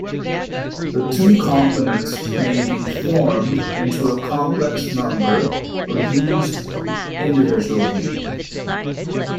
The two components may be formed into a complex number or used individually.